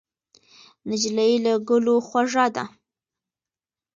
نجلۍ له ګلو خوږه ده.